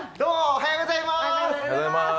おはようございます。